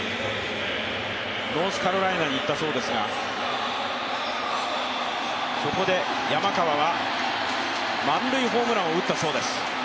ノースカロライナに行ったそうですが、そこで山川は満塁ホームランを打ったそうです。